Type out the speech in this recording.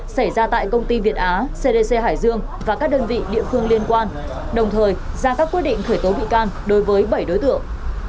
xảy ra tại công ty việt á cdc hải dương và các đơn vị địa phương liên quan đồng thời ra các quyết định khởi tố bị can đối với bảy đối tượng